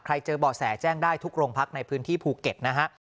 เจอบ่อแสแจ้งได้ทุกโรงพักในพื้นที่ภูเก็ตนะฮะ